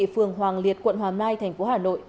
phường hoàng liệt quận hoàm nai tp hà nội